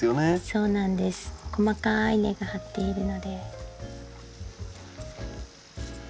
そうなんです細かい根が張っているので。